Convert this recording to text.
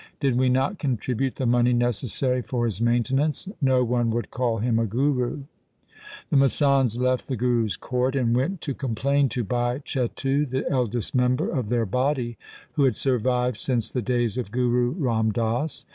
Did we not contribute the money necessary for his maintenance, no one would call him a Guru.' The masands left the Guru's court and went to complain to Bhai Chetu, the eldest member of their body who had survived since the days of Guru Ram Das.